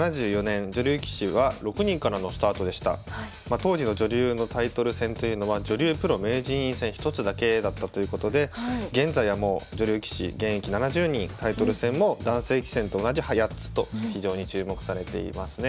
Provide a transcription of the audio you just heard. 当時の女流のタイトル戦というのは女流プロ名人位戦１つだけだったということで現在はもう女流棋士現役７０人タイトル戦も男性棋戦と同じ８つと非常に注目されていますね。